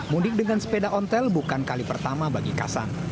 mudik dengan sepeda ontel bukan kali pertama bagi kasang